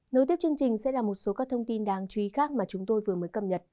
nối tiếp chương trình sẽ là một số các thông tin đáng chú ý khác mà chúng tôi vừa mới cập nhật